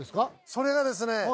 それがですね